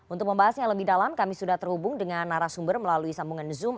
untuk membahasnya lebih dalam kami sudah terhubung dengan narasumber melalui sambungan zoom